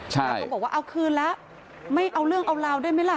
แล้วก็บอกว่าเอาคืนแล้วไม่เอาเรื่องเอาราวได้ไหมล่ะ